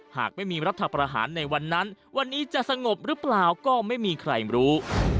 หากไม่มีรัฐประหารในวันนั้นวันนี้จะสงบหรือเปล่าก็ไม่มีใครรู้